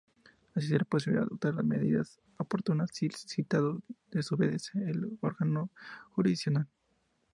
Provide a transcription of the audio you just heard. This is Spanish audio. Así será posible adoptar las medidas oportunas si el citado desobedece al órgano jurisdiccional.